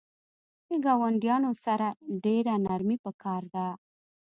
د ګاونډیانو سره ډیره نرمی پکار ده